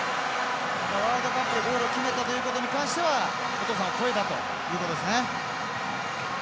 ワールドカップでゴールを決めたということに関してはお父さんを超えたということですね。